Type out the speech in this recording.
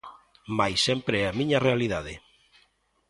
Mais sempre é a miña realidade.